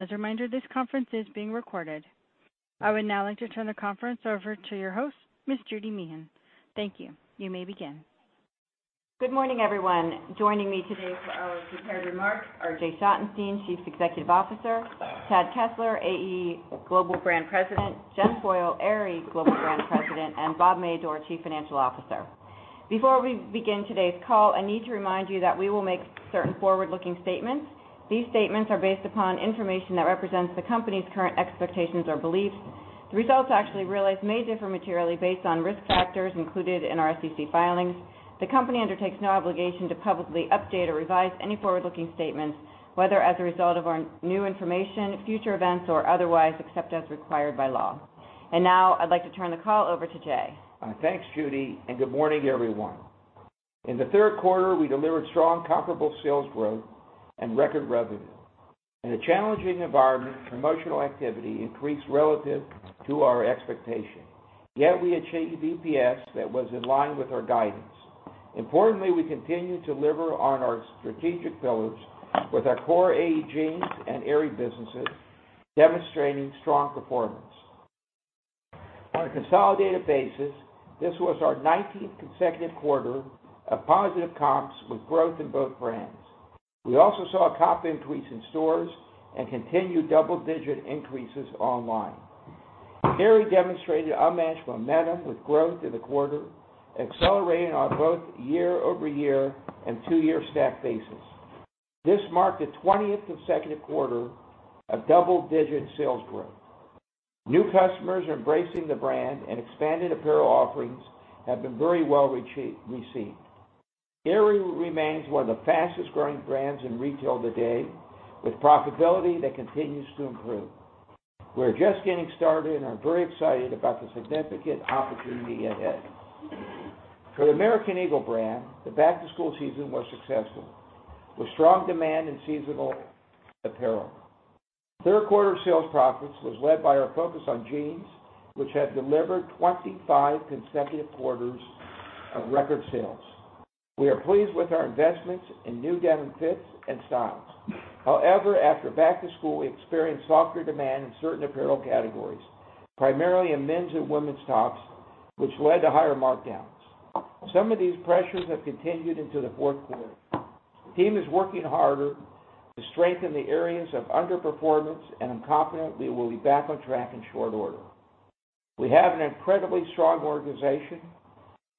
As a reminder, this conference is being recorded. I would now like to turn the conference over to your host, Ms. Judy Meehan. Thank you. You may begin. Good morning, everyone. Joining me today for our prepared remarks are Jay Schottenstein, Chief Executive Officer, Chad Kessler, AE Global Brand President, Jen Foyle, Aerie Global Brand President, and Bob Madore, Chief Financial Officer. Before we begin today's call, I need to remind you that we will make certain forward-looking statements. These statements are based upon information that represents the company's current expectations or beliefs. The results actually realized may differ materially based on risk factors included in our SEC filings. The company undertakes no obligation to publicly update or revise any forward-looking statements, whether as a result of new information, future events, or otherwise, except as required by law. Now I'd like to turn the call over to Jay. Thanks, Judy. Good morning, everyone. In the third quarter, we delivered strong comparable sales growth and record revenue. In a challenging environment, promotional activity increased relative to our expectations. We achieved EPS that was in line with our guidance. Importantly, we continue to deliver on our strategic pillars with our core AE jeans and Aerie businesses demonstrating strong performance. On a consolidated basis, this was our 19th consecutive quarter of positive comps with growth in both brands. We also saw a comp increase in stores and continued double-digit increases online. Aerie demonstrated unmatched momentum with growth in the quarter, accelerating on both year-over-year and two-year stack basis. This marked the 20th consecutive quarter of double-digit sales growth. New customers are embracing the brand and expanded apparel offerings have been very well received. Aerie remains one of the fastest-growing brands in retail today, with profitability that continues to improve. We're just getting started and are very excited about the significant opportunity ahead. For the American Eagle brand, the back-to-school season was successful, with strong demand in seasonal apparel. Third quarter sales profits was led by our focus on jeans, which have delivered 25 consecutive quarters of record sales. We are pleased with our investments in new denim fits and styles. After back to school, we experienced softer demand in certain apparel categories, primarily in men's and women's tops, which led to higher markdowns. Some of these pressures have continued into the fourth quarter. The team is working harder to strengthen the areas of underperformance, and I'm confident we will be back on track in short order. We have an incredibly strong organization,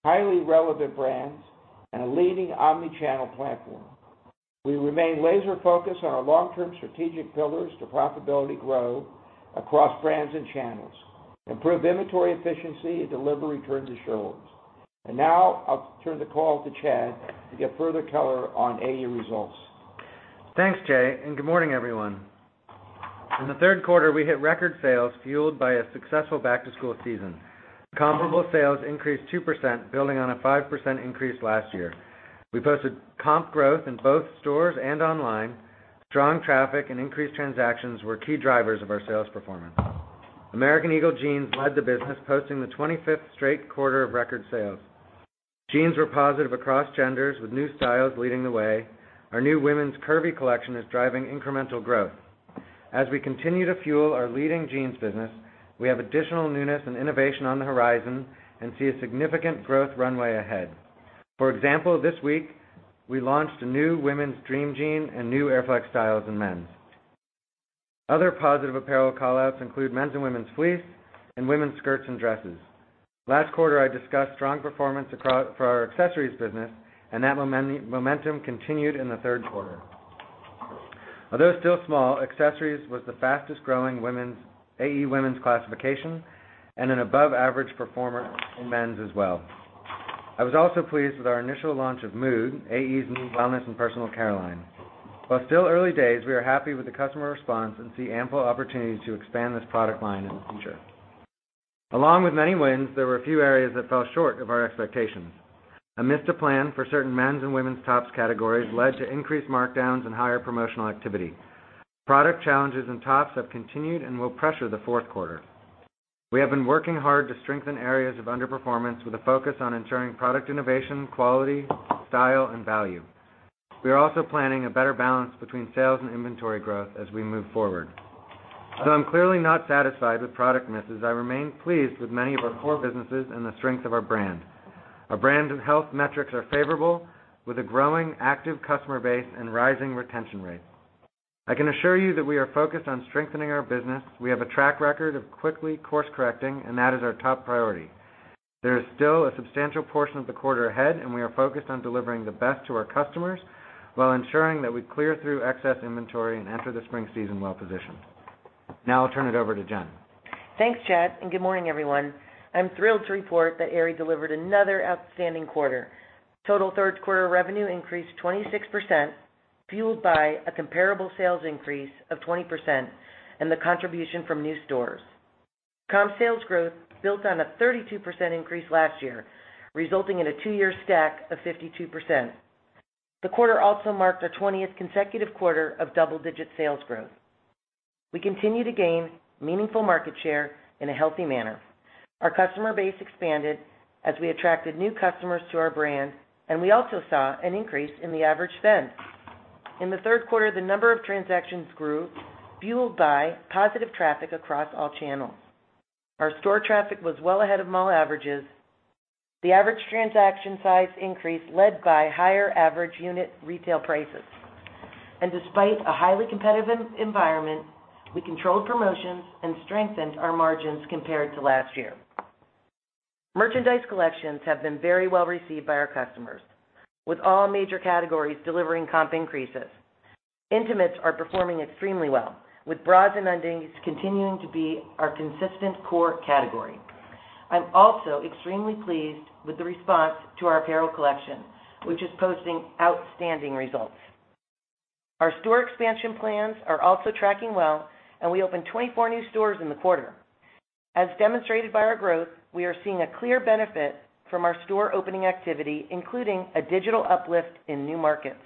highly relevant brands, and a leading omni-channel platform. We remain laser-focused on our long-term strategic pillars to profitability growth across brands and channels, improve inventory efficiency, and deliver return to shareholders. Now I'll turn the call to Chad to give further color on AE results. Thanks, Jay, and good morning, everyone. In the third quarter, we hit record sales fueled by a successful back-to-school season. Comparable sales increased 2%, building on a 5% increase last year. We posted comp growth in both stores and online. Strong traffic and increased transactions were key drivers of our sales performance. American Eagle Jeans led the business, posting the 25th straight quarter of record sales. Jeans were positive across genders, with new styles leading the way. Our new women's Curvy collection is driving incremental growth. As we continue to fuel our leading jeans business, we have additional newness and innovation on the horizon and see a significant growth runway ahead. For example, this week we launched a new women's Dream Jean and new AirFlex+ styles in men's. Other positive apparel callouts include men's and women's Fleece and women's skirts and dresses. Last quarter, I discussed strong performance for our accessories business, and that momentum continued in the third quarter. Although still small, accessories was the fastest-growing AE women's classification and an above-average performer in men's as well. I was also pleased with our initial launch of Mood, AE's new wellness and personal care line. While still early days, we are happy with the customer response and see ample opportunities to expand this product line in the future. Along with many wins, there were a few areas that fell short of our expectations. A missed plan for certain men's and women's tops categories led to increased markdowns and higher promotional activity. Product challenges in tops have continued and will pressure the fourth quarter. We have been working hard to strengthen areas of underperformance with a focus on ensuring product innovation, quality, style, and value. We are also planning a better balance between sales and inventory growth as we move forward. Though I'm clearly not satisfied with product misses, I remain pleased with many of our core businesses and the strength of our brand. Our brand and health metrics are favorable, with a growing active customer base and rising retention rates. I can assure you that we are focused on strengthening our business. We have a track record of quickly course-correcting, and that is our top priority. There is still a substantial portion of the quarter ahead, and we are focused on delivering the best to our customers while ensuring that we clear through excess inventory and enter the spring season well-positioned. Now I'll turn it over to Jen. Thanks, Chad, and good morning, everyone. I'm thrilled to report that Aerie delivered another outstanding quarter. Total third quarter revenue increased 26%, fueled by a comparable sales increase of 20% and the contribution from new stores. Comp sales growth built on a 32% increase last year, resulting in a two-year stack of 52%. The quarter also marked our 20th consecutive quarter of double-digit sales growth. We continue to gain meaningful market share in a healthy manner. Our customer base expanded as we attracted new customers to our brand, and we also saw an increase in the average spend. In the third quarter, the number of transactions grew, fueled by positive traffic across all channels. Our store traffic was well ahead of mall averages. The average transaction size increased, led by higher average unit retail prices. Despite a highly competitive environment, we controlled promotions and strengthened our margins compared to last year. Merchandise collections have been very well-received by our customers, with all major categories delivering comp increases. Intimates are performing extremely well, with bras and undies continuing to be our consistent core category. I'm also extremely pleased with the response to our apparel collection, which is posting outstanding results. Our store expansion plans are also tracking well, and we opened 24 new stores in the quarter. As demonstrated by our growth, we are seeing a clear benefit from our store opening activity, including a digital uplift in new markets.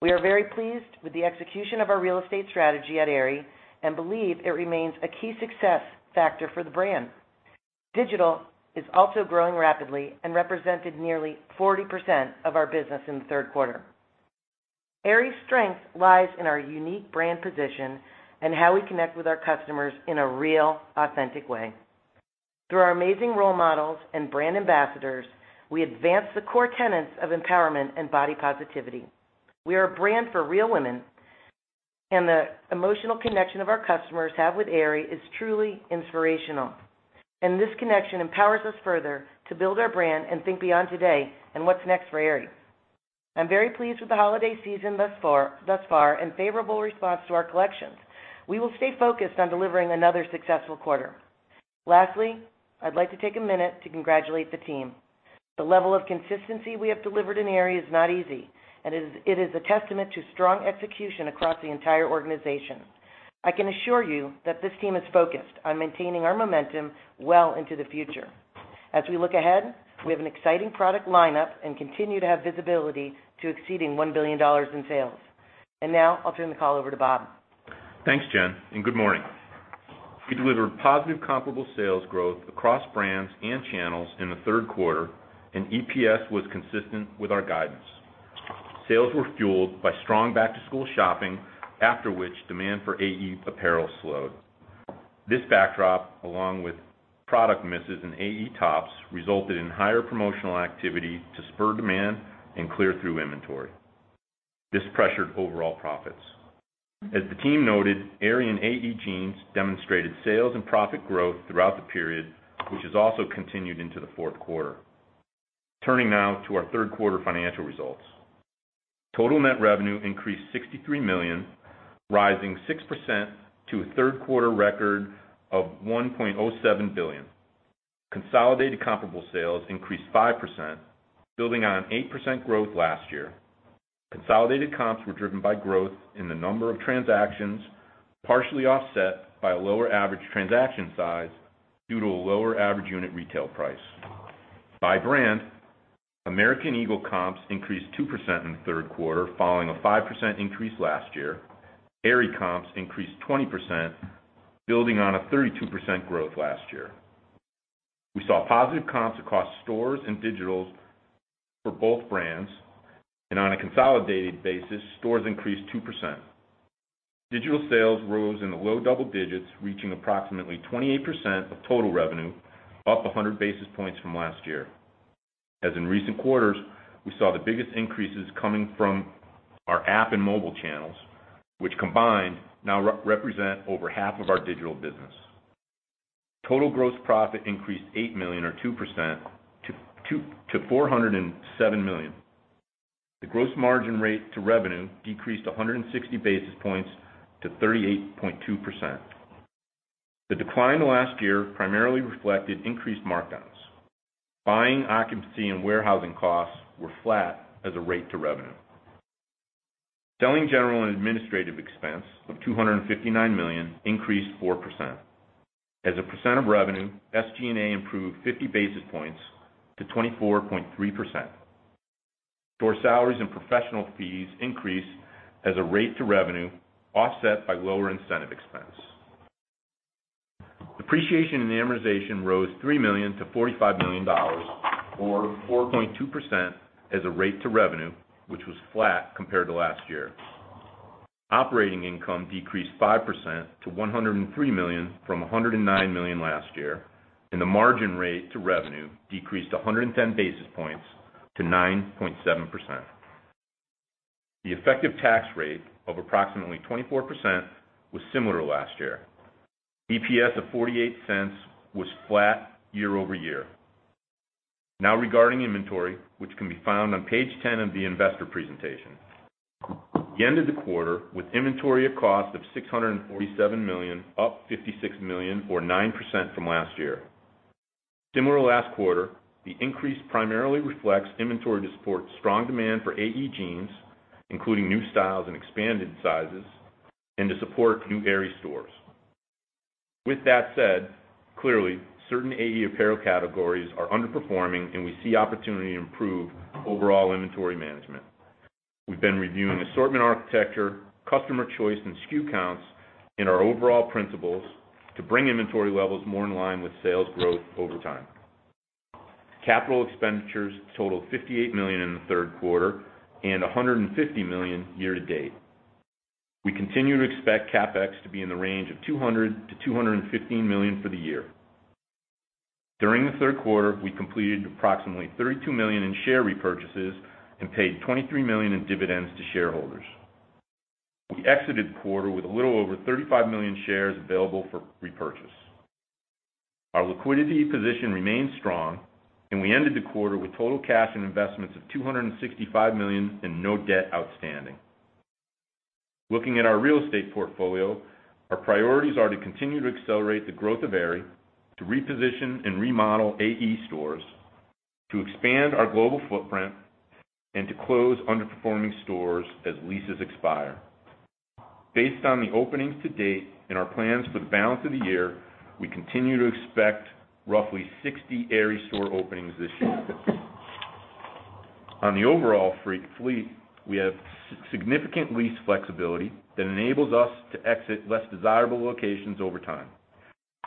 We are very pleased with the execution of our real estate strategy at Aerie and believe it remains a key success factor for the brand. Digital is also growing rapidly and represented nearly 40% of our business in the third quarter. Aerie's strength lies in our unique brand position and how we connect with our customers in a real, authentic way. Through our amazing role models and brand ambassadors, we advance the core tenets of empowerment and body positivity. We are a brand for real women, the emotional connection of our customers have with Aerie is truly inspirational. This connection empowers us further to build our brand and think beyond today and what's next for Aerie. I'm very pleased with the holiday season thus far and favorable response to our collections. We will stay focused on delivering another successful quarter. Lastly, I'd like to take a minute to congratulate the team. The level of consistency we have delivered in Aerie is not easy, and it is a testament to strong execution across the entire organization. I can assure you that this team is focused on maintaining our momentum well into the future. As we look ahead, we have an exciting product lineup and continue to have visibility to exceeding $1 billion in sales. Now I'll turn the call over to Bob. Thanks, Jen. Good morning. We delivered positive comparable sales growth across brands and channels in the third quarter. EPS was consistent with our guidance. Sales were fueled by strong back-to-school shopping, after which demand for AE apparel slowed. This backdrop, along with product misses in AE tops, resulted in higher promotional activity to spur demand and clear through inventory. This pressured overall profits. As the team noted, Aerie and AE jeans demonstrated sales and profit growth throughout the period, which has also continued into the fourth quarter. Turning now to our third quarter financial results. Total net revenue increased $63 million, rising 6% to a third quarter record of $1.07 billion. Consolidated comparable sales increased 5%, building on an 8% growth last year. Consolidated comps were driven by growth in the number of transactions, partially offset by a lower average transaction size due to a lower average unit retail price. By brand, American Eagle comps increased 2% in the third quarter, following a 5% increase last year. Aerie comps increased 20%, building on a 32% growth last year. We saw positive comps across stores and digitals for both brands, and on a consolidated basis, stores increased 2%. Digital sales rose in the low double digits, reaching approximately 28% of total revenue, up 100 basis points from last year. As in recent quarters, we saw the biggest increases coming from our app and mobile channels, which combined now represent over half of our digital business. Total gross profit increased $8 million or 2% to $407 million. The gross margin rate to revenue decreased 160 basis points to 38.2%. The decline last year primarily reflected increased markdowns. Buying occupancy and warehousing costs were flat as a rate to revenue. Selling general and administrative expense of $259 million increased 4%. As a percent of revenue, SG&A improved 50 basis points to 24.3%. Store salaries and professional fees increased as a rate to revenue, offset by lower incentive expense. Depreciation and amortization rose $3 million to $45 million, or 4.2% as a rate to revenue, which was flat compared to last year. Operating income decreased 5% to $103 million from $109 million last year, and the margin rate to revenue decreased 110 basis points to 9.7%. The effective tax rate of approximately 24% was similar last year. EPS of $0.48 was flat year-over-year. Now, regarding inventory, which can be found on page 10 of the investor presentation. We ended the quarter with inventory of cost of $647 million, up $56 million or 9% from last year. Similar to last quarter, the increase primarily reflects inventory to support strong demand for AE jeans, including new styles and expanded sizes, and to support new Aerie stores. With that said, clearly, certain AE apparel categories are underperforming, and we see opportunity to improve overall inventory management. We've been reviewing assortment architecture, customer choice, and SKU counts in our overall principles to bring inventory levels more in line with sales growth over time. Capital expenditures totaled $58 million in the third quarter, and $150 million year-to-date. We continue to expect CapEx to be in the range of $200 million-$215 million for the year. During the third quarter, we completed approximately $32 million in share repurchases and paid $23 million in dividends to shareholders. We exited the quarter with a little over 35 million shares available for repurchase. Our liquidity position remains strong, and we ended the quarter with total cash and investments of $265 million and no debt outstanding. Looking at our real estate portfolio, our priorities are to continue to accelerate the growth of Aerie, to reposition and remodel AE stores, to expand our global footprint, and to close underperforming stores as leases expire. Based on the openings to date and our plans for the balance of the year, we continue to expect roughly 60 Aerie store openings this year. On the overall fleet, we have significant lease flexibility that enables us to exit less desirable locations over time.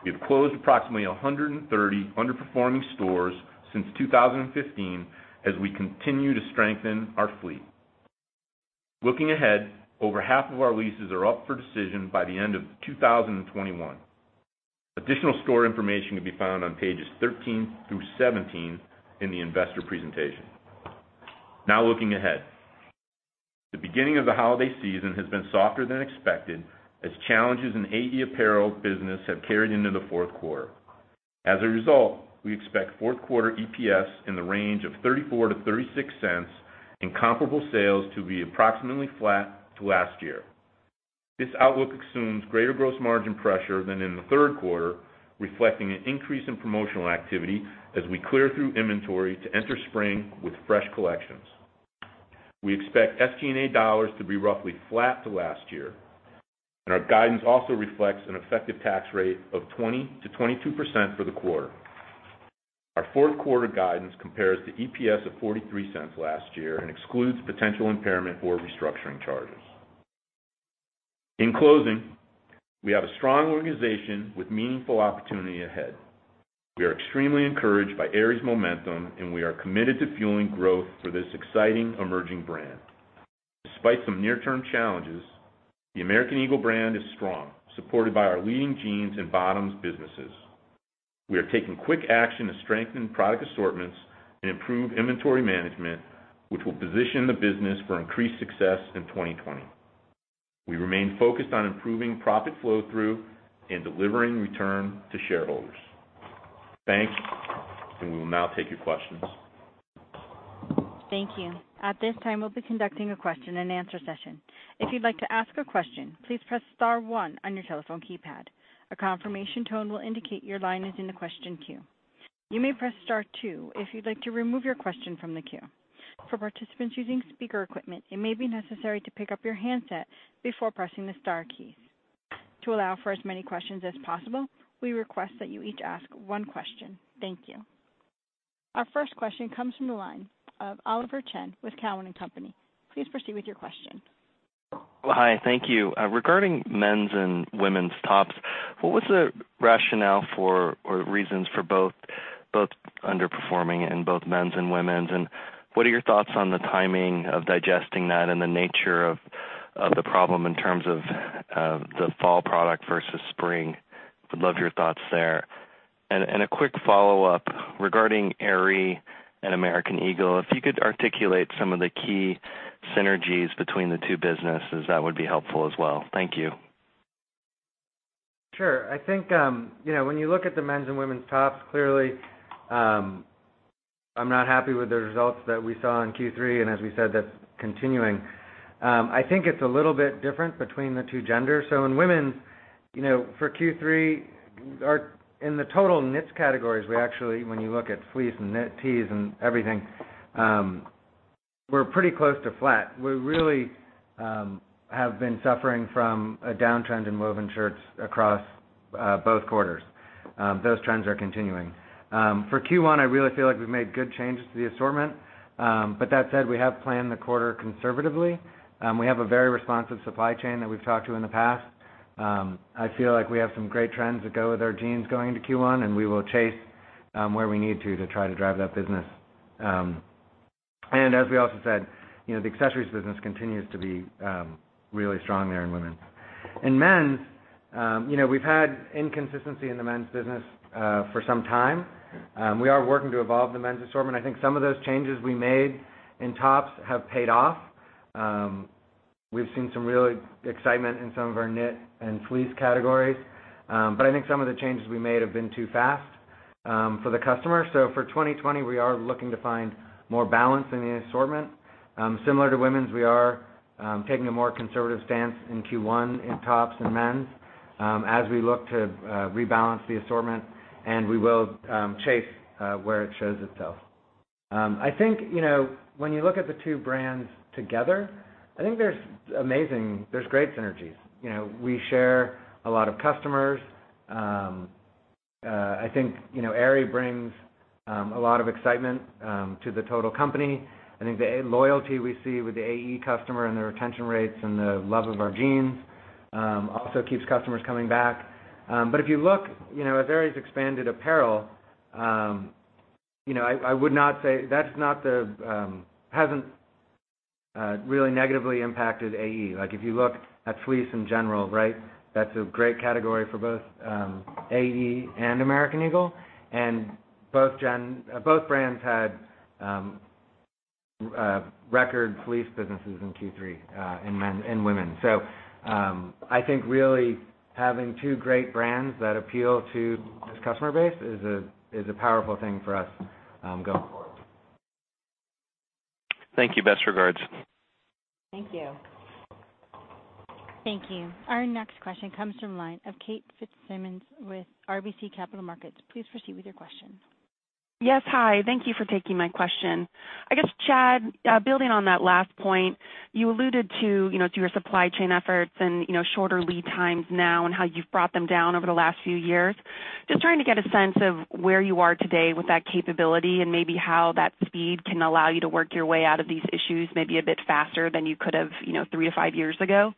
We have closed approximately 130 underperforming stores since 2015 as we continue to strengthen our fleet. Looking ahead, over half of our leases are up for decision by the end of 2021. Additional store information can be found on pages 13 through 17 in the investor presentation. Looking ahead. The beginning of the holiday season has been softer than expected as challenges in AE apparel business have carried into the fourth quarter. As a result, we expect fourth quarter EPS in the range of $0.34-$0.36, and comparable sales to be approximately flat to last year. This outlook assumes greater gross margin pressure than in the third quarter, reflecting an increase in promotional activity as we clear through inventory to enter spring with fresh collections. We expect SG&A dollars to be roughly flat to last year, and our guidance also reflects an effective tax rate of 20%-22% for the quarter. Our fourth quarter guidance compares to EPS of $0.43 last year and excludes potential impairment or restructuring charges. In closing, we have a strong organization with meaningful opportunity ahead. We are extremely encouraged by Aerie's momentum, and we are committed to fueling growth for this exciting emerging brand. Despite some near-term challenges, the American Eagle brand is strong, supported by our leading jeans and bottoms businesses. We are taking quick action to strengthen product assortments and improve inventory management, which will position the business for increased success in 2020. We remain focused on improving profit flow-through and delivering return to shareholders. Thanks, we will now take your questions. Thank you. At this time, we'll be conducting a question-and-answer session. If you'd like to ask a question, please press star one on your telephone keypad. A confirmation tone will indicate your line is in the question queue. You may press star two if you'd like to remove your question from the queue. For participants using speaker equipment, it may be necessary to pick up your handset before pressing the star keys. To allow for as many questions as possible, we request that you each ask one question. Thank you. Our first question comes from the line of Oliver Chen with Cowen and Company. Please proceed with your question. Hi. Thank you. Regarding men's and women's tops, what was the rationale for or reasons for both underperforming in both men's and women's? What are your thoughts on the timing of digesting that and the nature of the problem in terms of the fall product versus spring? Would love your thoughts there. A quick follow-up regarding Aerie and American Eagle. If you could articulate some of the key synergies between the two businesses, that would be helpful as well. Thank you. Sure. I think when you look at the men's and women's tops, clearly, I'm not happy with the results that we saw in Q3, and as we said, that's continuing. I think it's a little bit different between the two genders. In women's, for Q3, in the total knits categories, we actually, when you look at Fleece and knit tees and everything, we're pretty close to flat. We really have been suffering from a downtrend in woven shirts across both quarters. Those trends are continuing. For Q1, I really feel like we've made good changes to the assortment. That said, we have planned the quarter conservatively. We have a very responsive supply chain that we've talked to in the past. I feel like we have some great trends that go with our jeans going into Q1, and we will chase where we need to to try to drive that business. As we also said, the accessories business continues to be really strong there in women's. In men's, we've had inconsistency in the men's business for some time. We are working to evolve the men's assortment. I think some of those changes we made in tops have paid off. We've seen some real excitement in some of our knit and Fleece categories. I think some of the changes we made have been too fast for the customer. For 2020, we are looking to find more balance in the assortment. Similar to women's, we are taking a more conservative stance in Q1 in tops in men's as we look to rebalance the assortment. We will chase where it shows itself. I think when you look at the two brands together, I think there's great synergies. We share a lot of customers. I think Aerie brings a lot of excitement to the total company. I think the loyalty we see with the AE customer and the retention rates and the love of our jeans also keeps customers coming back. If you look at Aerie's expanded apparel, I would not say that hasn't really negatively impacted AE. If you look at fleece in general, that's a great category for both AE and American Eagle, and both brands had record fleece businesses in Q3 in women. I think really having two great brands that appeal to this customer base is a powerful thing for us going forward. Thank you. Best regards. Thank you. Thank you. Our next question comes from the line of Kate Fitzsimons with RBC Capital Markets. Please proceed with your question. Yes. Hi. Thank you for taking my question. I guess, Chad, building on that last point, you alluded to your supply chain efforts and shorter lead times now and how you've brought them down over the last few years. Just trying to get a sense of where you are today with that capability and maybe how that speed can allow you to work your way out of these issues maybe a bit faster than you could have 3-5 years ago.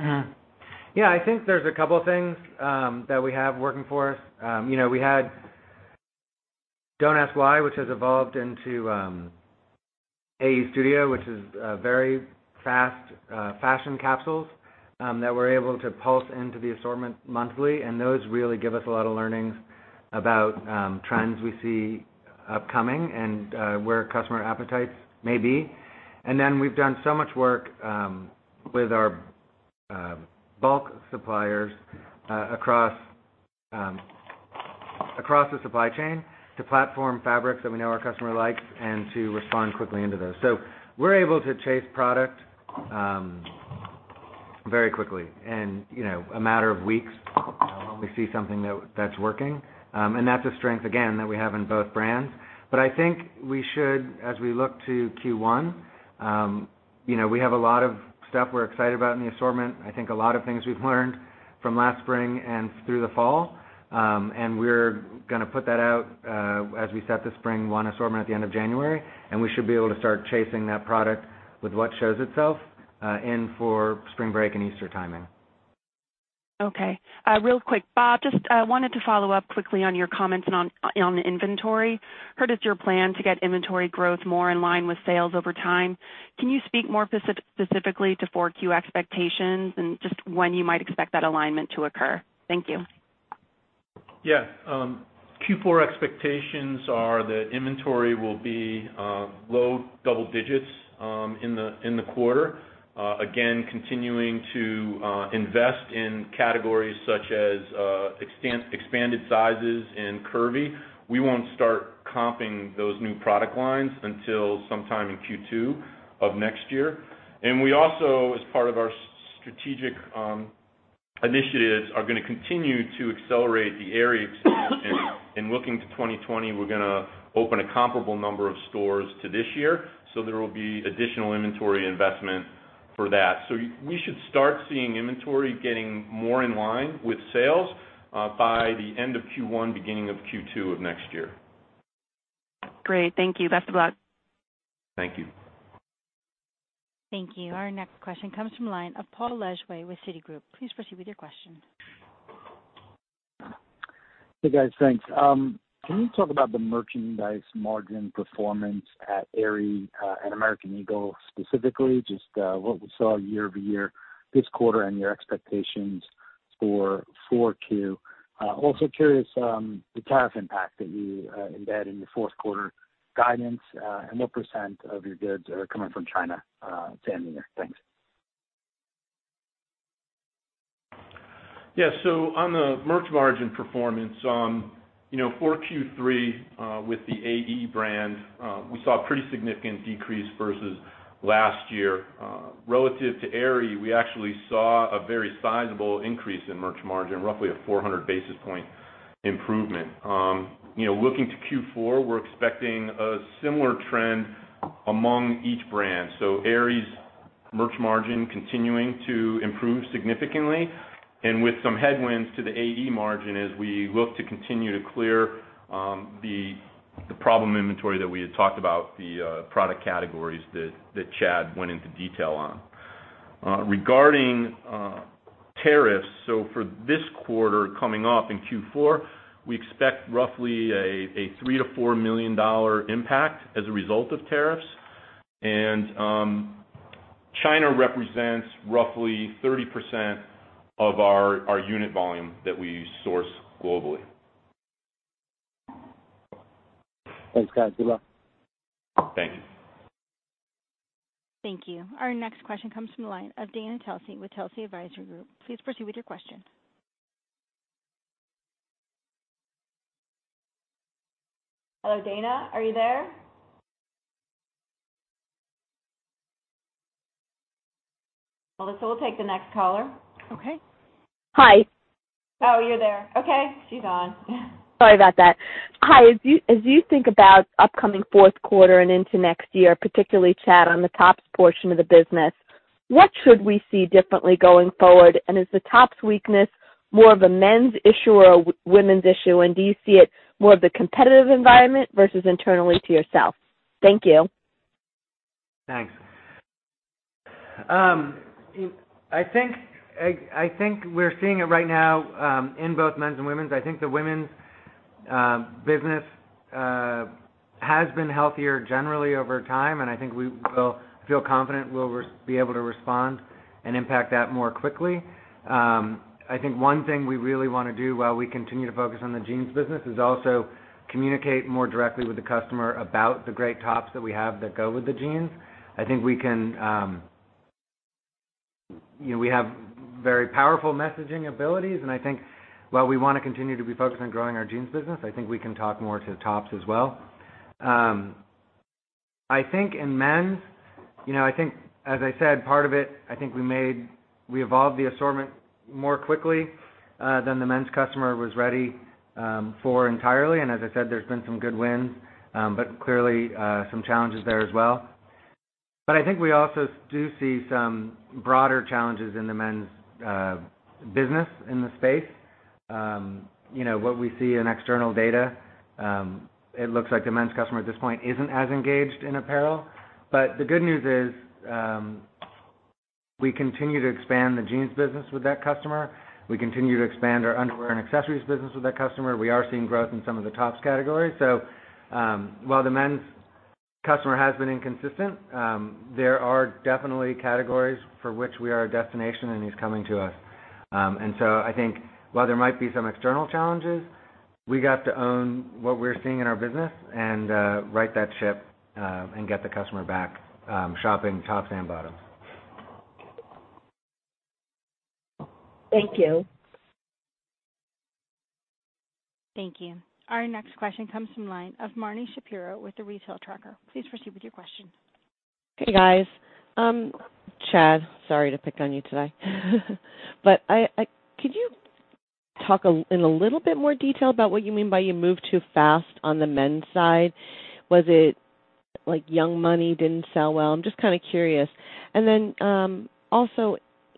Yeah. I think there's a couple things that we have working for us. We had Don't Ask Why, which has evolved into AE Studio, which is very fast fashion capsules that we're able to pulse into the assortment monthly, and those really give us a lot of learnings about trends we see upcoming and where customer appetites may be. We've done so much work with our bulk suppliers across the supply chain to platform fabrics that we know our customer likes and to respond quickly into those. We're able to chase product very quickly and in a matter of weeks when we see something that's working. That's a strength, again, that we have in both brands. I think we should, as we look to Q1, we have a lot of stuff we're excited about in the assortment. I think a lot of things we've learned from last spring and through the fall. We're going to put that out as we set the Spring 1 assortment at the end of January, and we should be able to start chasing that product with what shows itself in for spring break and Easter timing. Okay. Real quick, Bob Madore, just wanted to follow up quickly on your comments on inventory. Heard it's your plan to get inventory growth more in line with sales over time. Can you speak more specifically to 4Q expectations and just when you might expect that alignment to occur? Thank you. Q4 expectations are that inventory will be low double digits in the quarter. Again, continuing to invest in categories such as expanded sizes and Curvy. We won't start comping those new product lines until sometime in Q2 of next year. We also, as part of our strategic initiatives, are going to continue to accelerate the Aerie expansion. In looking to 2020, we're going to open a comparable number of stores to this year. There will be additional inventory investment for that. We should start seeing inventory getting more in line with sales by the end of Q1, beginning of Q2 of next year. Great. Thank you. Best of luck. Thank you. Thank you. Our next question comes from the line of Paul Lejuez with Citigroup. Please proceed with your question. Hey, guys. Thanks. Can you talk about the merchandise margin performance at Aerie and American Eagle specifically, just what we saw year-over-year this quarter and your expectations for 4Q? Also curious the tariff impact that you embed in your fourth quarter guidance and what % of your goods are coming from China to end the year. Thanks. Yeah. On the merchandise margin performance, for Q3 with the AE brand, we saw a pretty significant decrease versus last year. Relative to Aerie, we actually saw a very sizable increase in merchandise margin, roughly a 400 basis point improvement. Looking to Q4, we're expecting a similar trend among each brand. Aerie's merchandise margin continuing to improve significantly and with some headwinds to the AE margin as we look to continue to clear the problem inventory that we had talked about, the product categories that Chad went into detail on. Regarding tariffs, so for this quarter coming up in Q4, we expect roughly a $3 million-$4 million impact as a result of tariffs. China represents roughly 30% of our unit volume that we source globally. Thanks, guys. Good luck. Thank you. Thank you. Our next question comes from the line of Dana Telsey with Telsey Advisory Group. Please proceed with your question. Hello, Dana, are you there? Melissa, we'll take the next caller. Okay. Hi. Oh, you're there. Okay. She's on. Sorry about that. Hi. As you think about upcoming fourth quarter and into next year, particularly, Chad, on the tops portion of the business, what should we see differently going forward? Is the tops weakness more of a men's issue or a women's issue? Do you see it more of the competitive environment versus internally to yourself? Thank you. Thanks. I think we're seeing it right now in both men's and women's. I think the women's business has been healthier generally over time, and I think we will feel confident we'll be able to respond and impact that more quickly. I think one thing we really want to do while we continue to focus on the jeans business is also communicate more directly with the customer about the great tops that we have that go with the jeans. I think we have very powerful messaging abilities, and I think while we want to continue to be focused on growing our jeans business, I think we can talk more to the tops as well. I think in men's, as I said, part of it, I think we evolved the assortment more quickly than the men's customer was ready for entirely. As I said, there's been some good wins, but clearly some challenges there as well. I think we also do see some broader challenges in the men's business in the space. What we see in external data, it looks like the men's customer at this point isn't as engaged in apparel. The good news is, we continue to expand the jeans business with that customer. We continue to expand our underwear and accessories business with that customer. We are seeing growth in some of the tops categories. While the men's customer has been inconsistent, there are definitely categories for which we are a destination, and he's coming to us. I think while there might be some external challenges, we got to own what we're seeing in our business and right that ship, and get the customer back shopping tops and bottoms. Thank you. Thank you. Our next question comes from the line of Marni Shapiro with The Retail Tracker. Please proceed with your question. Hey, guys. Chad, sorry to pick on you today. Could you talk in a little bit more detail about what you mean by you moved too fast on the men's side? Was it like AE x Young Money didn't sell well? I'm just curious. Also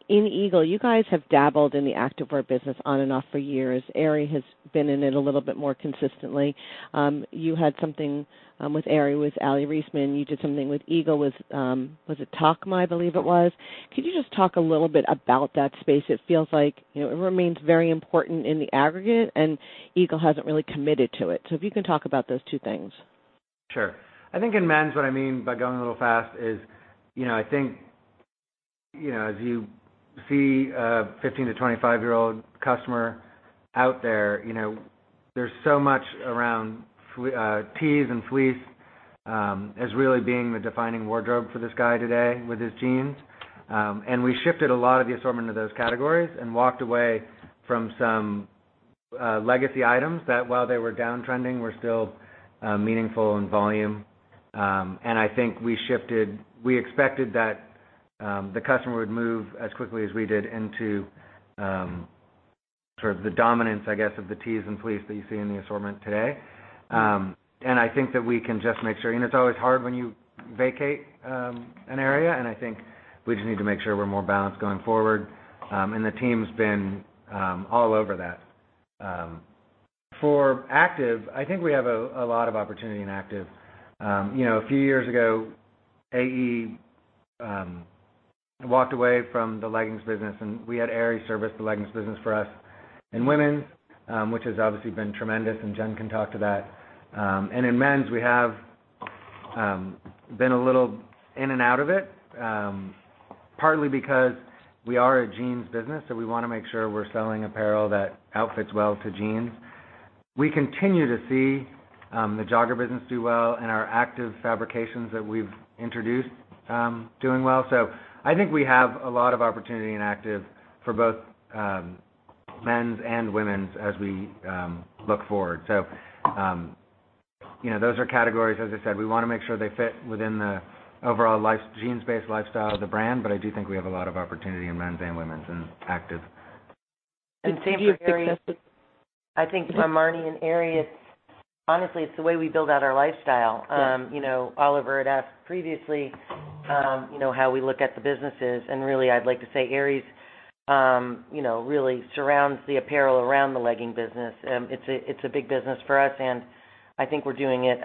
in Eagle, you guys have dabbled in the activewear business on and off for years. Aerie has been in it a little bit more consistently. You had something, with Aerie, with Aly Raisman. You did something with Eagle with, was it AETAMA, I believe it was. Could you just talk a little bit about that space? It feels like it remains very important in the aggregate, Eagle hasn't really committed to it. If you can talk about those two things. Sure. I think in men's, what I mean by going a little fast is, I think as you see a 15 to 25-year-old customer out there's so much around tees and Fleece as really being the defining wardrobe for this guy today with his jeans. We shifted a lot of the assortment of those categories and walked away from some legacy items that, while they were downtrending, were still meaningful in volume. I think we expected that the customer would move as quickly as we did into sort of the dominance, I guess, of the tees and Fleece that you see in the assortment today. I think that we can just make sure. It's always hard when you vacate an area. I think we just need to make sure we're more balanced going forward. The team's been all over that. For active, I think we have a lot of opportunity in active. A few years ago, AE walked away from the leggings business, and we had Aerie service the leggings business for us in women's, which has obviously been tremendous, and Jen can talk to that. In men's, we have been a little in and out of it, partly because we are a jeans business, so we want to make sure we're selling apparel that outfits well to jeans. We continue to see the jogger business do well and our active fabrications that we've introduced doing well. I think we have a lot of opportunity in active for both men's and women's as we look forward. Those are categories, as I said, we want to make sure they fit within the overall jeans-based lifestyle of the brand. I do think we have a lot of opportunity in men's and women's in active. Same for Aerie. I think from Marni and Aerie, honestly, it's the way we build out our lifestyle. Yeah. Oliver had asked previously how we look at the businesses, and really, I'd like to say Aerie really surrounds the apparel around the legging business. It's a big business for us, and I think we're doing it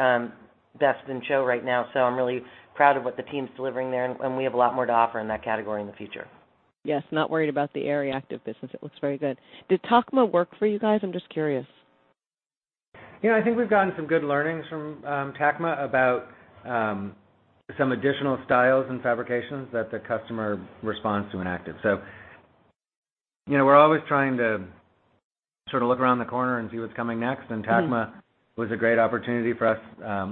best in show right now. I'm really proud of what the team's delivering there, and we have a lot more to offer in that category in the future. Yes, not worried about the Aerie active business. It looks very good. Did Tailgate work for you guys? I'm just curious. I think we've gotten some good learnings from Tailgate about some additional styles and fabrications that the customer responds to in active. We're always trying to sort of look around the corner and see what's coming next, and Tailgate was a great opportunity for us.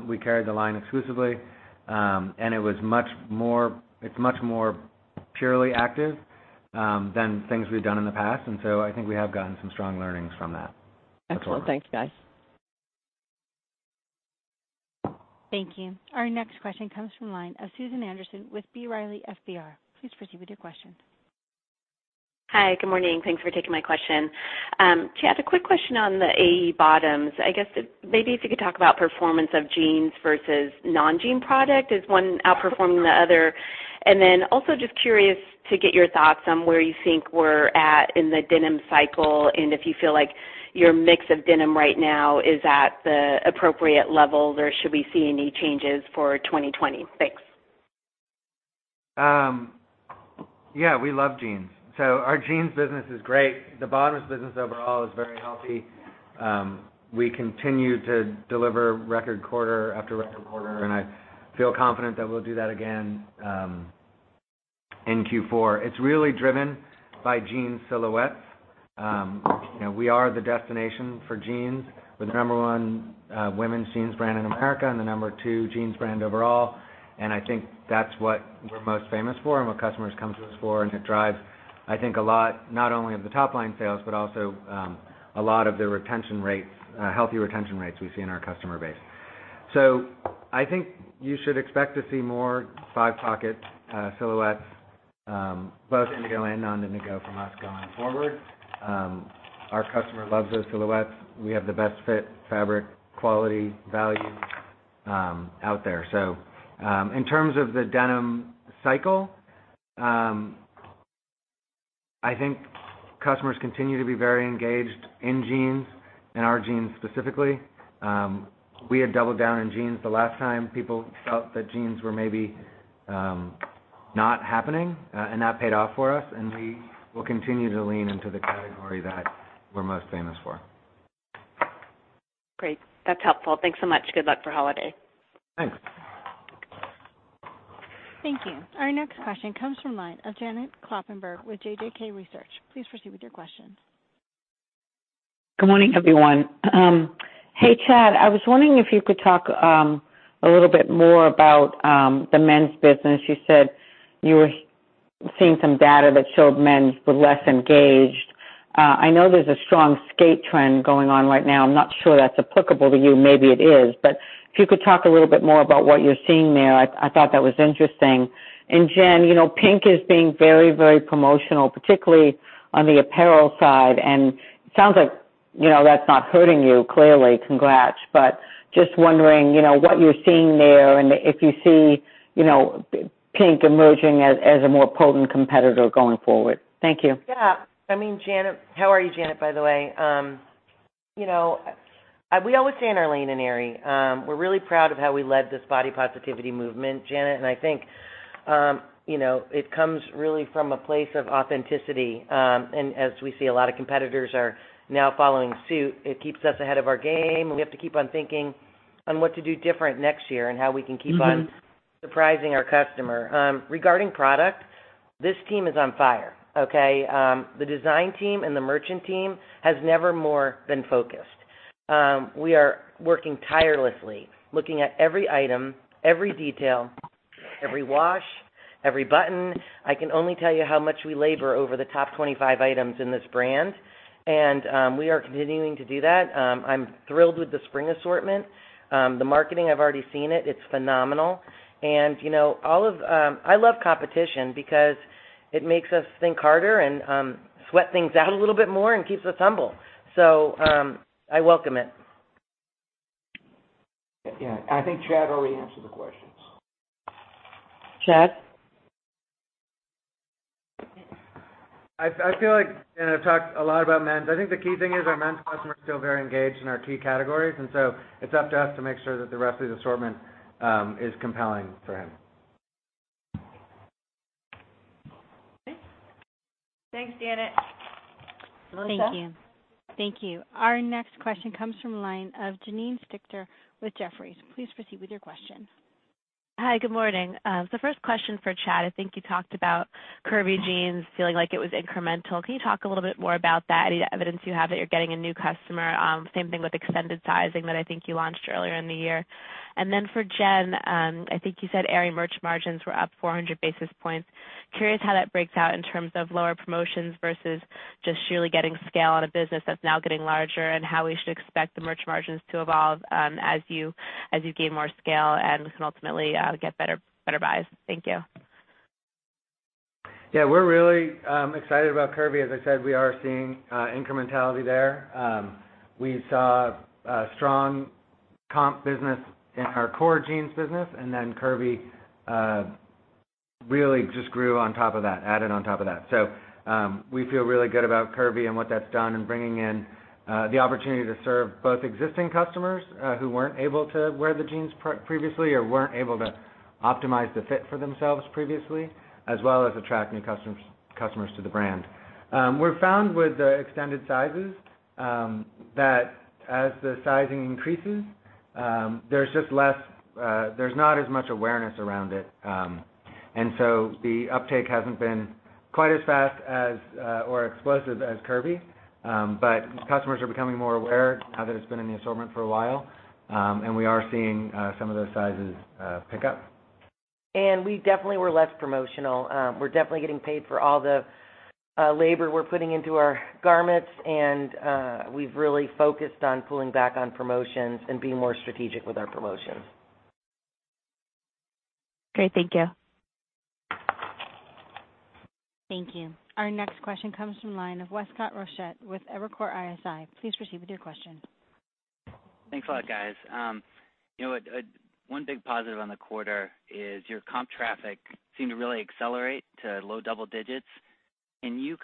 We carried the line exclusively. It's much more purely active than things we've done in the past. I think we have gotten some strong learnings from that. Excellent. Thanks, guys. Thank you. Our next question comes from the line of Susan Anderson with B. Riley FBR. Please proceed with your question. Hi. Good morning. Thanks for taking my question. Chad, a quick question on the AE bottoms. I guess, maybe if you could talk about performance of jeans versus non-jean product. Is one outperforming the other? Also just curious to get your thoughts on where you think we're at in the denim cycle, and if you feel like your mix of denim right now is at the appropriate level, or should we see any changes for 2020. Thanks. We love jeans. Our jeans business is great. The bottoms business overall is very healthy. We continue to deliver record quarter after record quarter, and I feel confident that we'll do that again in Q4. It's really driven by jean silhouettes. We are the destination for jeans. We're the number 1 women's jeans brand in America and the number 2 jeans brand overall. I think that's what we're most famous for and what customers come to us for, and it drives, I think, a lot, not only of the top-line sales, but also a lot of the healthy retention rates we see in our customer base. I think you should expect to see more five-pocket silhouettes, both indigo and non-indigo from us going forward. Our customer loves those silhouettes. We have the best fit, fabric, quality, value out there. In terms of the denim cycle, I think customers continue to be very engaged in jeans and our jeans specifically. We had doubled down on jeans the last time people felt that jeans were maybe not happening, and that paid off for us, and we will continue to lean into the category that we're most famous for. Great. That's helpful. Thanks so much. Good luck for holiday. Thanks. Thank you. Our next question comes from line of Janet Kloppenburg with JJK Research. Please proceed with your question. Good morning, everyone. Hey, Chad, I was wondering if you could talk a little bit more about the men's business. You said you were seeing some data that showed men were less engaged. I know there's a strong skate trend going on right now. I'm not sure that's applicable to you. Maybe it is. If you could talk a little bit more about what you're seeing there. I thought that was interesting. Jen, PINK is being very, very promotional, particularly on the apparel side, and it sounds like that's not hurting you, clearly. Congrats. Just wondering what you're seeing there and if you see PINK emerging as a more potent competitor going forward. Thank you. Yeah. How are you, Janet, by the way? We always stay in our lane in Aerie. We're really proud of how we led this body positivity movement, Janet, and I think it comes really from a place of authenticity. As we see a lot of competitors are now following suit, it keeps us ahead of our game, and we have to keep on thinking on what to do different next year and how we can keep on surprising our customer. Regarding product, this team is on fire. Okay? The design team and the merchant team has never more been focused. We are working tirelessly, looking at every item, every detail, every wash, every button. I can only tell you how much we labor over the top 25 items in this brand, and we are continuing to do that. I'm thrilled with the spring assortment. The marketing, I've already seen it. It's phenomenal. I love competition because it makes us think harder and sweat things out a little bit more and keeps us humble. I welcome it. Yeah. I think Chad already answered the questions. Chad? I feel like, Janet, I've talked a lot about men's. I think the key thing is our men's customers are still very engaged in our key categories, and so it's up to us to make sure that the rest of the assortment is compelling for him. Okay. Thanks, Janet. Melissa? Thank you. Thank you. Our next question comes from the line of Janine Stichter with Jefferies. Please proceed with your question. Hi, good morning. First question for Chad. I think you talked about Curvy jeans feeling like it was incremental. Can you talk a little more about that? Any of the evidence you have that you're getting a new customer? Same thing with extended sizing that I think you launched earlier in the year. For Jen, I think you said Aerie merch margins were up 400 basis points. Curious how that breaks out in terms of lower promotions versus just sheerly getting scale out of business that's now getting larger, and how we should expect the merch margins to evolve as you gain more scale and can ultimately get better buys. Thank you. We're really excited about Curvy. As I said, we are seeing incrementality there. We saw a strong comp business in our core jeans business, and then Curvy really just grew on top of that, added on top of that. We feel really good about Curvy and what that's done in bringing in the opportunity to serve both existing customers who weren't able to wear the jeans previously or weren't able to optimize the fit for themselves previously, as well as attract new customers to the brand. We found with the extended sizes that as the sizing increases, there's not as much awareness around it. The uptake hasn't been quite as fast as or explosive as Curvy. Customers are becoming more aware now that it's been in the assortment for a while. We are seeing some of those sizes pick up. We definitely were less promotional. We're definitely getting paid for all the labor we're putting into our garments, and we've really focused on pulling back on promotions and being more strategic with our promotions. Great. Thank you. Thank you. Our next question comes from the line of Westcott Rochette with Evercore ISI. Please proceed with your question. Thanks a lot, guys. One big positive on the quarter is your comp traffic seemed to really accelerate to low double digits. Can you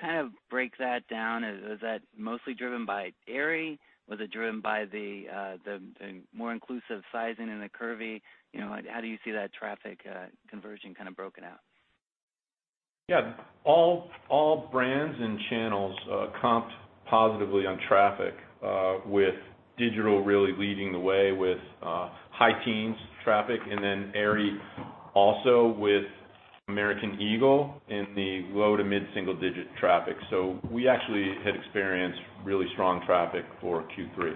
break that down? Is that mostly driven by Aerie, or was it driven by the more inclusive sizing in the Curvy? How do you see that traffic conversion broken out? Yeah. All brands and channels comped positively on traffic, with digital really leading the way with high teens traffic, and then Aerie also with American Eagle in the low to mid single digit traffic. We actually had experienced really strong traffic for Q3.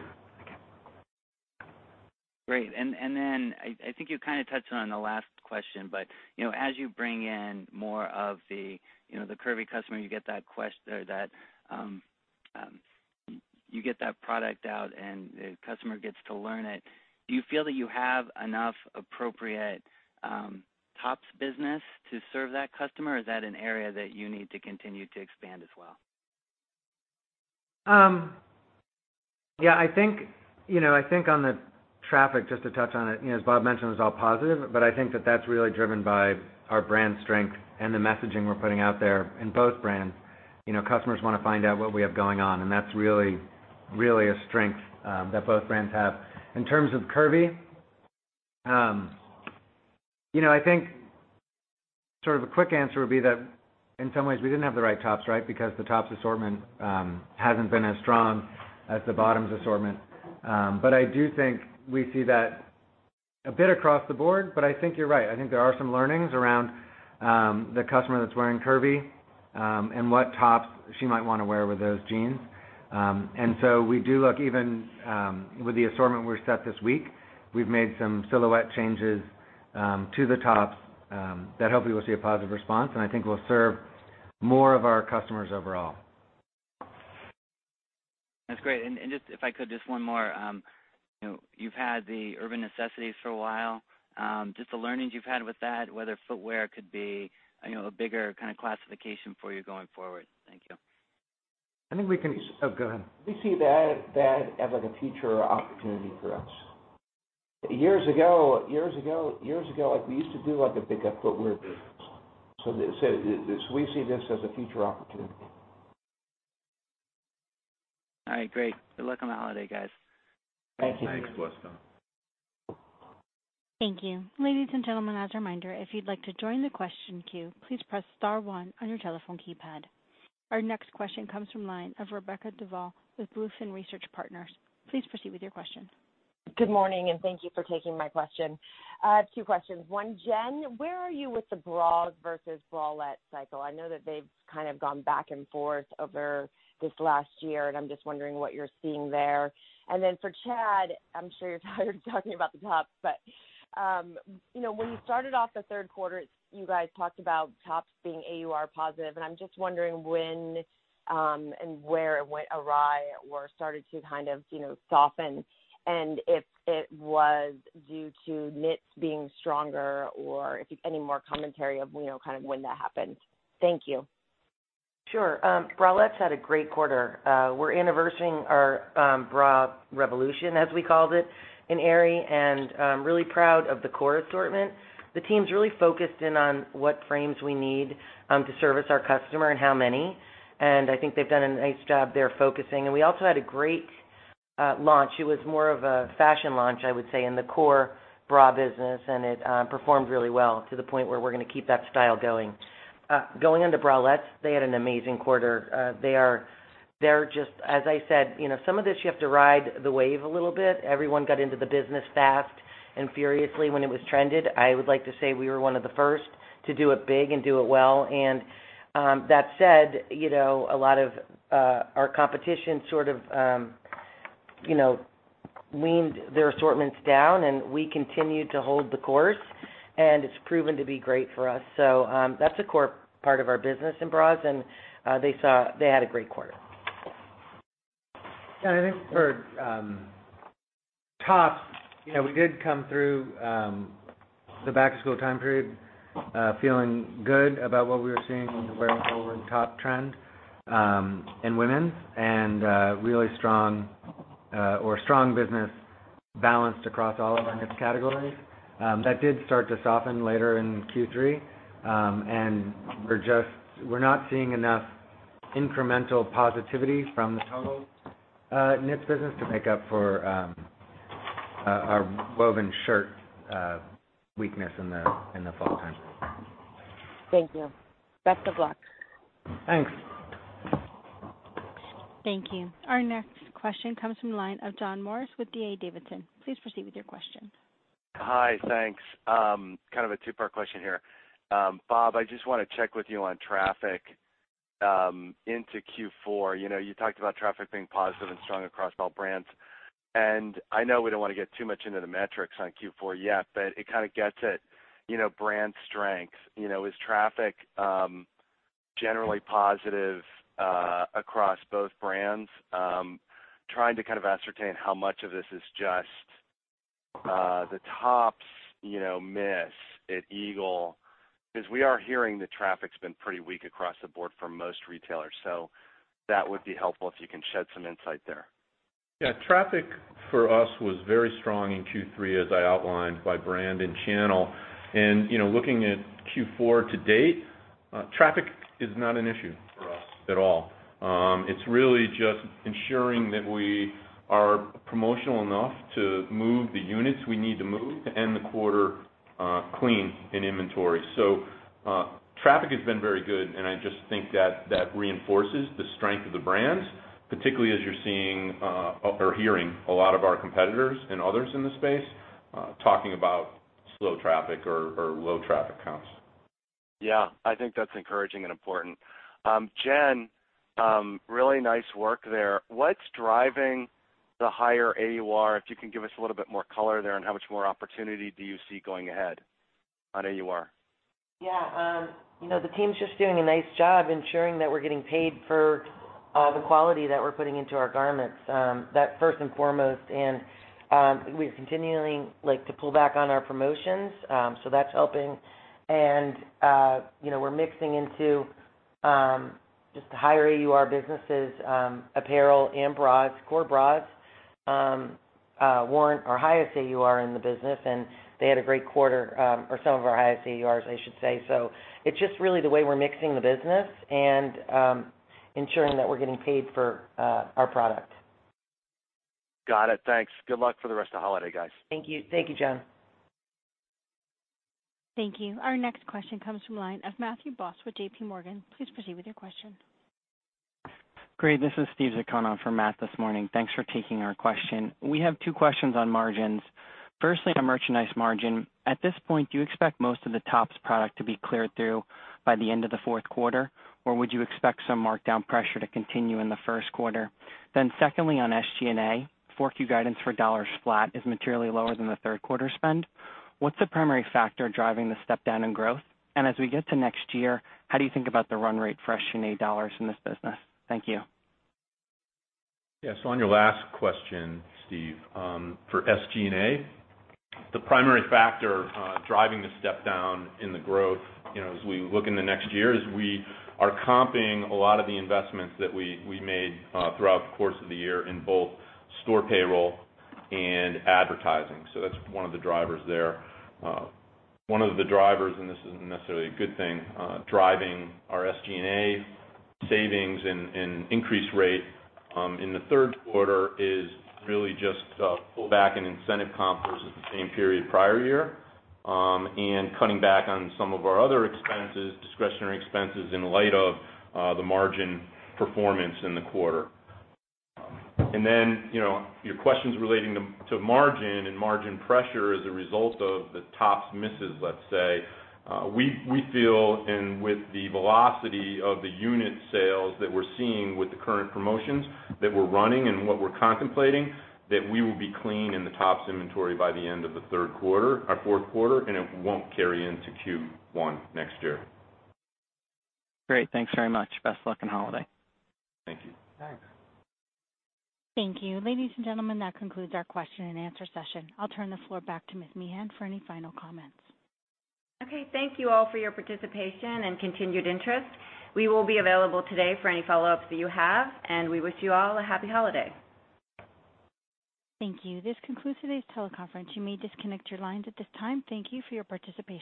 Great. I think you touched on the last question, but as you bring in more of the Curvy customer, you get that product out and the customer gets to learn it. Do you feel that you have enough appropriate tops business to serve that customer, or is that an area that you need to continue to expand as well? Yeah, I think on the traffic, just to touch on it, as Bob mentioned, it was all positive, I think that that's really driven by our brand strength and the messaging we're putting out there in both brands. Customers want to find out what we have going on, that's really a strength that both brands have. In terms of Curvy, I think a quick answer would be that in some ways we didn't have the right tops because the tops assortment hasn't been as strong as the bottoms assortment. I do think we see that a bit across the board, I think you're right. I think there are some learnings around the customer that's wearing Curvy, what tops she might want to wear with those jeans. We do look even with the assortment we set this week, we've made some silhouette changes to the tops that hopefully we'll see a positive response, and I think will serve more of our customers overall. That's great. Just, if I could, just one more. You've had the Urban Necessities for a while. Just the learnings you've had with that, whether footwear could be a bigger classification for you going forward. Thank you. I think we can. Oh, go ahead. We see that as a future opportunity for us. Years ago, we used to do a big footwear business. We see this as a future opportunity. All right, great. Good luck on the holiday, guys. Thank you. Thanks, Westcott. Thank you. Ladies and gentlemen, as a reminder, if you'd like to join the question queue, please press *1 on your telephone keypad. Our next question comes from line of Rebecca Duval with BlueFin Research Partners. Please proceed with your question. Good morning, and thank you for taking my question. I have two questions. One, Jen, where are you with the bras versus Bralette cycle? I know that they've gone back and forth over this last year, and I'm just wondering what you're seeing there. Then for Chad, I'm sure you're tired of talking about the tops, but when you started off the third quarter, you guys talked about tops being AUR positive, and I'm just wondering when and where it went awry or started to soften, and if it was due to knits being stronger or if any more commentary of when that happened. Thank you. Sure. Bralettes had a great quarter. We're anniversarying our bra revolution, as we called it, in Aerie, and I'm really proud of the core assortment. The team's really focused in on what frames we need to service our customer and how many, and I think they've done a nice job there focusing. We also had a great launch. It was more of a fashion launch, I would say, in the core bra business, and it performed really well, to the point where we're going to keep that style going. Going into bralettes, they had an amazing quarter. As I said, some of this, you have to ride the wave a little bit. Everyone got into the business fast and furiously when it was trended. I would like to say we were one of the first to do it big and do it well. That said, a lot of our competition leaned their assortments down, and we continued to hold the course, and it's proven to be great for us. That's a core part of our business in bras, and they had a great quarter. I think for tops, we did come through the back-to-school time period feeling good about what we were seeing in the wear woven top trend in women and a really strong business balanced across all of our knits categories. That did start to soften later in Q3. We're not seeing enough incremental positivity from the total knits business to make up for our woven shirt weakness in the fall time. Thank you. Best of luck. Thanks. Thank you. Our next question comes from the line of John Morris with D.A. Davidson. Please proceed with your question. Hi, thanks. A two-part question here. Bob, I just want to check with you on traffic into Q4. You talked about traffic being positive and strong across all brands, and I know we don't want to get too much into the metrics on Q4 yet, but it kind of gets at brand strength. Is traffic generally positive across both brands? Trying to ascertain how much of this is just the tops miss at Eagle. Because we are hearing that traffic's been pretty weak across the board for most retailers. That would be helpful if you can shed some insight there. Yeah. Traffic for us was very strong in Q3, as I outlined by brand and channel. Looking at Q4 to date, traffic is not an issue for us at all. It's really just ensuring that we are promotional enough to move the units we need to move to end the quarter clean in inventory. Traffic has been very good, and I just think that reinforces the strength of the brands, particularly as you're seeing or hearing a lot of our competitors and others in the space talking about slow traffic or low traffic counts. Yeah, I think that's encouraging and important. Jen, really nice work there. What's driving the higher AUR? If you can give us a little bit more color there and how much more opportunity do you see going ahead on AUR? Yeah. The team's just doing a nice job ensuring that we're getting paid for the quality that we're putting into our garments. That first and foremost, we are continuing to pull back on our promotions. That's helping. We're mixing into just the higher AUR businesses, apparel and bras. Core bras warrant our highest AUR in the business, and they had a great quarter, or some of our highest AURs I should say. It's just really the way we're mixing the business and ensuring that we're getting paid for our product. Got it. Thanks. Good luck for the rest of holiday, guys. Thank you, John. Thank you. Our next question comes from line of Matthew Boss with JPMorgan. Please proceed with your question. Great. This is Steven Zaccone for Matt this morning. Thanks for taking our question. We have two questions on margins. Firstly, on merchandise margin. At this point, do you expect most of the tops product to be cleared through by the end of the fourth quarter, or would you expect some markdown pressure to continue in the first quarter? Secondly, on SG&A, 4Q guidance for dollars flat is materially lower than the third quarter spend. What's the primary factor driving the step down in growth? And as we get to next year, how do you think about the run rate for SG&A dollars in this business? Thank you. Yes. On your last question, Steve, for SG&A, the primary factor driving the step down in the growth as we look in the next year is we are comping a lot of the investments that we made throughout the course of the year in both store payroll and advertising. That's one of the drivers there. One of the drivers, and this isn't necessarily a good thing, driving our SG&A savings and increase rate in the third quarter is really just a pullback in incentive comp versus the same period prior year, and cutting back on some of our other expenses, discretionary expenses, in light of the margin performance in the quarter. Your questions relating to margin and margin pressure as a result of the tops misses, let's say. We feel and with the velocity of the unit sales that we're seeing with the current promotions that we're running and what we're contemplating, that we will be clean in the tops inventory by the end of the fourth quarter, and it won't carry into Q1 next year. Great. Thanks very much. Best luck and holiday. Thank you. Thanks. Thank you. Ladies and gentlemen, that concludes our question and answer session. I'll turn the floor back to Ms. Meehan for any final comments. Okay. Thank you all for your participation and continued interest. We will be available today for any follow-ups that you have. We wish you all a happy holiday. Thank you. This concludes today's teleconference. You may disconnect your lines at this time. Thank you for your participation.